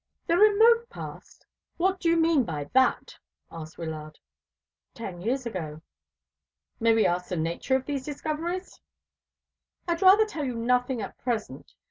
"The remote past? What do you mean by that?" asked Wyllard. "Ten years ago." "May we ask the nature of these discoveries?" "I'd rather tell you nothing at present.